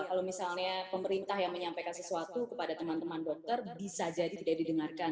kalau misalnya pemerintah yang menyampaikan sesuatu kepada teman teman dokter bisa jadi tidak didengarkan